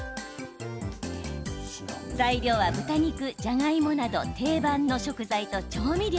材料は豚肉、じゃがいもなど定番の食材と調味料。